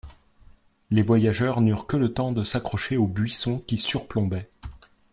Les voyageurs n’eurent que le temps de s’accrocher aux buissons qui surplombaient.